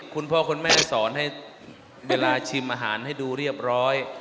คุณพ่อคุณแม่สอนให้เวลาชิมอาหารให้ดูเรียบร้อย